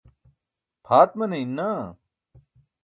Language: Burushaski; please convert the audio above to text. pʰaat maneyin naa